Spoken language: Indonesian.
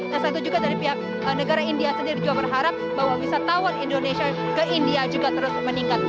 dan saya juga dari pihak negara india sendiri juga berharap bahwa wisatawan indonesia ke india juga terus meningkat